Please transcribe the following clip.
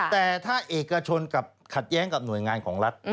แต่ถ้าเอกชนกลับขัดแย้งกับหน่วยงานของรัฐ